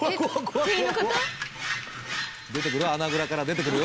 出てくる？